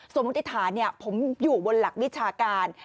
มุติฐานผมอยู่บนหลักวิชาการ